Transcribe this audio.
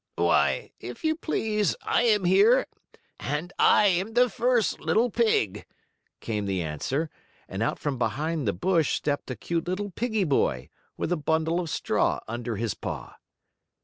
"Why, if you please, I am here, and I am the first little pig," came the answer, and out from behind the bush stepped a cute little piggie boy, with a bundle of straw under his paw.